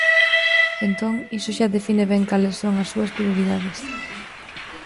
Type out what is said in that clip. Entón, iso xa define ben cales son as súas prioridades.